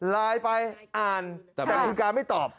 ไลน์ไปอ่านแต่คุณกาไม่ตอบ